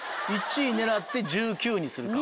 １位狙って１９にするか。